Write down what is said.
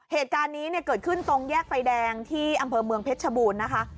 เหตุการณ์นี้เนี่ยเกิดขึ้นตรงแยกไฟแดงที่อำเภอเมืองเพชรชบูรณ์นะคะ